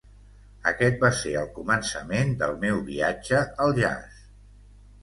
Aquest va ser el començament del meu viatge al jazz.